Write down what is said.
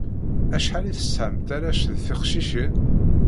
Acḥal i tesɛamt arrac d teqcicin?